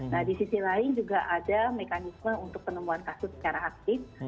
nah di sisi lain juga ada mekanisme untuk penemuan kasus secara aktif